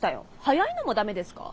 早いのもダメですか。